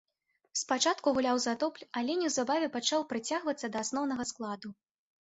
Спачатку гуляў за дубль, але неўзабаве пачаў прыцягвацца да асноўнага складу.